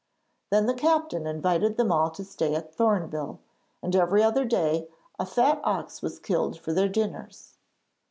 Then the captain invited them all to stay at Thorneville, and every other day a fat ox was killed for their dinners.